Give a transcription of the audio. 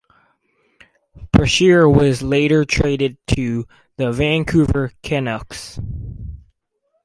Brashear was later traded to the Vancouver Canucks.